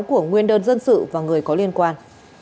của nguyên đơn dân sự và người có liên quan